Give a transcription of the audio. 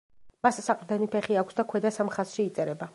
მას საყრდენი ფეხი აქვს და ქვედა სამ ხაზში იწერება.